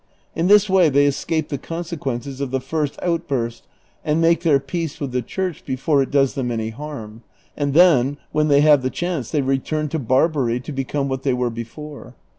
In this way they escape the consequences of the first outburst and maice tlieir peace with the riuirch before it does them any harm, and tlien when they have the chance they return to l>arbary to become wiiat they were before.